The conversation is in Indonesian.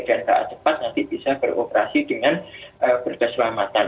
dan tak cepat nanti bisa beroperasi dengan berkeselamatan